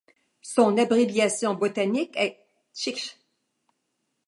Son abréviation botanique est Tchich.